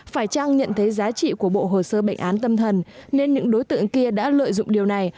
phải trang nhận thấy giá trị của bộ hồ sơ bệnh án tâm thần nên những đối tượng kia đã lợi dụng điều này